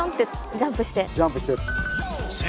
ジャンプして。